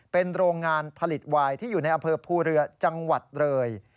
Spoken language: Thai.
เป็นโรงงานผลิตวายที่อยู่ในอำเภอภูเรือจังหวัดเลย